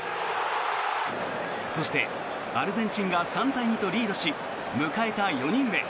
そして、アルゼンチンが３対２とリードし迎えた４人目。